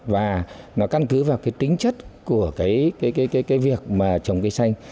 và nó căn cứ vào cái tính chất của cái việc mà trồng cây xanh